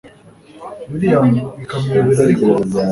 william bikamuyobera ariko